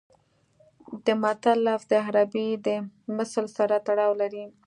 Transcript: د متل لفظ د عربي د مثل سره تړاو لري